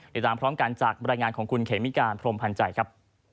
ติดตามพร้อมกันจากบรรยายงานของคุณเขมิการพรมพันธ์ใจครับ